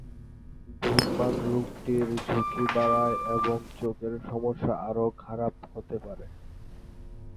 ধূমপান রোগটির ঝুঁকি বাড়ায় এবং চোখের সমস্যা আরও খারাপ হতে পারে।